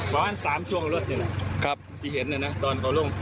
ประวัติศาสตร์๓ช่วงรถพิเศษตอนก่อล่ม